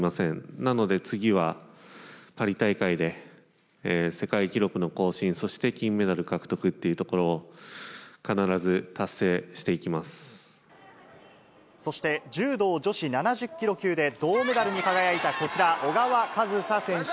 なので次は、パリ大会で世界記録の更新、そして金メダル獲得というところそして、柔道女子７０キロ級で銅メダルに輝いたこちら、小川和紗選手。